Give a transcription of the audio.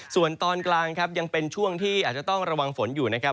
ส่วนตอนกลางครับยังเป็นช่วงที่อาจจะต้องระวังฝนอยู่นะครับ